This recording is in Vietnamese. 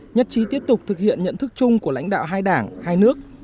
nhất trí tiếp tục thực hiện nhận thức chung của lãnh đạo hai đảng hai nước